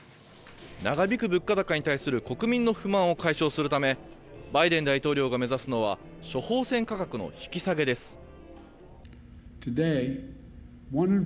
長引く物価高に対する国民の不満を解消するためバイデン大統領が目指すのは処方せん価格の引き下げです。